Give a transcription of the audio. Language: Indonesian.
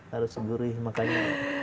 harus gurih makanya